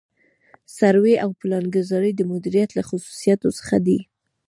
سروې او پلانګذاري د مدیریت له خصوصیاتو څخه دي.